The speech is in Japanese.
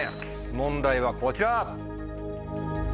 問題はこちら。